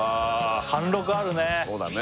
貫禄あるね